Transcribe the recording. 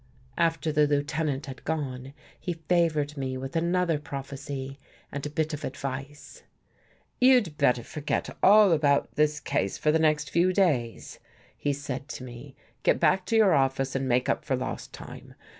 After the Lieutenant had gone, he favored me with another prophecy and a bit of advice. " You'd better forget all about this case for the next few days," he said to me. " Get back to your office and make up for lost time.